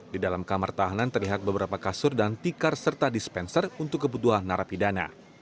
di dalam kamar tahanan terlihat beberapa kasur dan tikar serta dispenser untuk kebutuhan narapidana